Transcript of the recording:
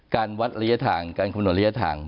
การวัดระยะทางการคำนวณระยะทาง